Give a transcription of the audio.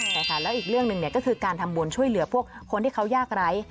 ใช่ค่ะแล้วอีกเรื่องหนึ่งก็คือการทำบุญช่วยเหลือพวกคนที่เขายากไร้